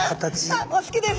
あお好きですか。